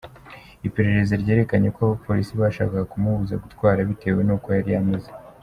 Iperereza ryerekanye ko abapolisi bashakaga kumubuza gutwara bitewe n’uko yari ameze.